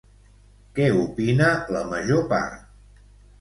Què opina la major part?